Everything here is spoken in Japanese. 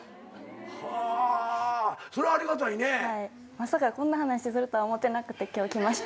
まさかこんな話するとは思ってなくて今日来ました。